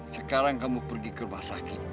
sekarang kamu pergi ke rumah sakit